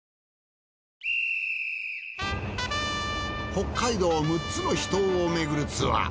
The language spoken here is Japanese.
北海道６つの秘湯を巡るツアー。